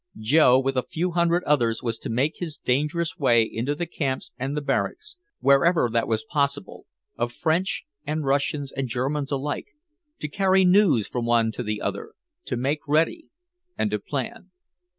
Joe with a few hundred others was to make his dangerous way into the camps and the barracks, wherever that was possible, of French and Russians and Germans alike, to carry news from one to the other, to make ready and to plan.